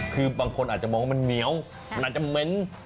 คือบางคนอาจจะมองว่ามันเหนียวมันอาจจะเม้น